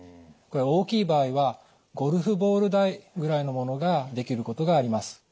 これ大きい場合はゴルフボール大ぐらいのものができることがあります。